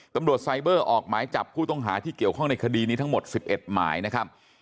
ตำรวจไซเบอร์ออกหมายจับผู้ต้องหาที่เกี่ยวข้องในคดีนี้ทั้งหมด๑๑หมายนะครับ